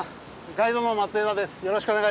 ガイドの松枝です。